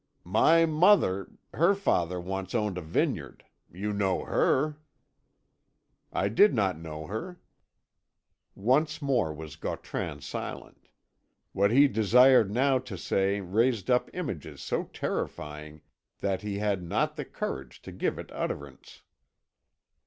"My mother her father once owned a vineyard. You knew her." "I did not know her." Once more was Gautran silent. What he desired now to say raised up images so terrifying that he had not the courage to give it utterance.